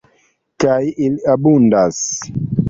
Kaj ili abundas….